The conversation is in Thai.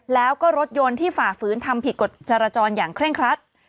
แล้วก็รถยนต์ที่ฝ่าฝืนทำผิดกฎจรจรอย่างเคร่งครัด